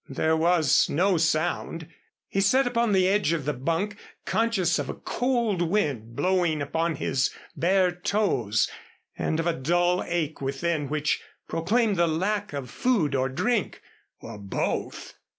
There was no sound. He sat upon the edge of the bunk, conscious of a cold wind blowing upon his bare toes and of a dull ache within which proclaimed the lack of food or drink, or both.